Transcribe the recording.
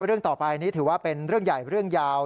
เรื่องต่อไปนี้ถือว่าเป็นเรื่องใหญ่เรื่องยาว